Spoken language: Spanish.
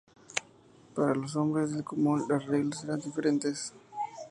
Para los hombres del común, las reglas eran diferentes.